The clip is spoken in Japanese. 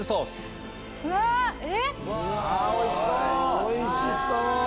おいしそう！